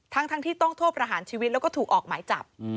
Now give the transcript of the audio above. ทั้งที่ต้องโทษประหารชีวิตแล้วก็ถูกออกหมายจับ